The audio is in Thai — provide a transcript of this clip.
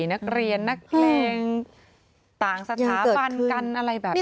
นักเรียนนักเพลงต่างสถาบันกันอะไรแบบนี้